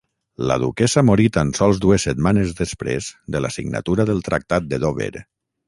La duquessa morí tan sols dues setmanes després de la signatura del Tractat de Dover.